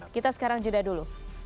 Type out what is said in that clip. kita sekarang jeda dulu